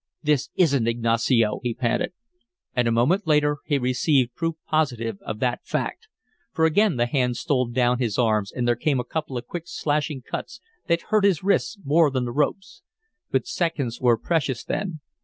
"This isn't Ignacio!" he panted. And a moment later he received proof positive of that fact. For again the hand stole down his arms and there came a couple of quick slashing cuts that hurt his wrists more than the ropes. But seconds were precious then.